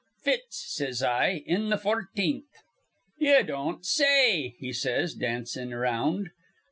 'Fitz,' says I, 'in th' fourteenth.' 'Ye don't say,' he says, dancin' around.